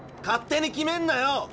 勝手に決めんなよ。